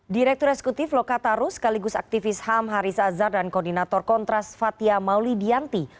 direktur eksekutif lokataru sekaligus aktivis ham haris azhar dan koordinator kontras fathia mauli dianti